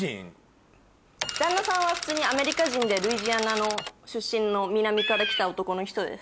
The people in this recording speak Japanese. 旦那さんは普通にアメリカ人でルイジアナの出身の南から来た男の人です。